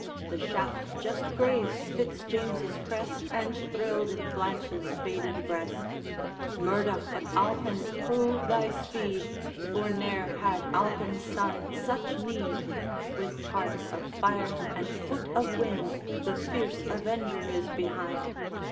The shaft just grazed Fitz James's crest, And thrilled in Blanche's faded breast. Murdoch of Alpine! prove thy speed, For ne'er had Alpine's son such need; With heart of fire, and foot of wind, The fierce avenger is behind!